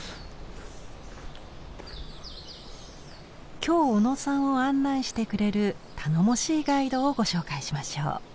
今日小野さんを案内してくれる頼もしいガイドをご紹介しましょう。